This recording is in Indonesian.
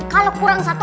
kalau kurang satu